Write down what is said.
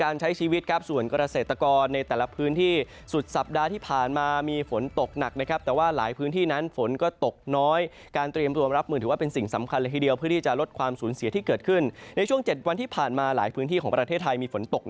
อาจจะทำให้เกิดอันตรายเกิดขึ้นได้